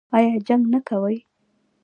ایا جنګ نه کوي؟